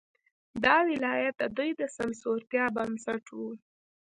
دا ولایت د دوی د سمسورتیا بنسټ وو.